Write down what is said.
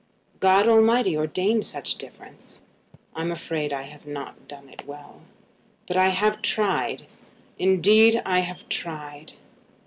"God Almighty ordained such difference." "I'm afraid I have not done it well; but I have tried; indeed I have tried."